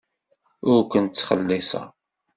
Ur kent-ttxelliṣeɣ.